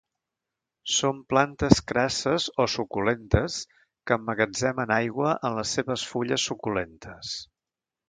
Són plantes crasses o suculentes que emmagatzemen aigua en les seves fulles suculentes.